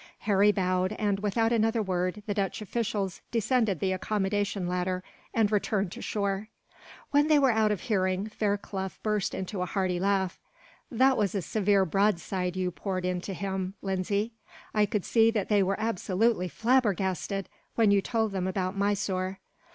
Harry bowed and, without another word, the Dutch officials descended the accommodation ladder, and returned to shore. When they were out of hearing, Fairclough burst into a hearty laugh. "That was a severe broadside you poured into him, Lindsay. I could see that they were absolutely flabbergasted, when you told them about Mysore.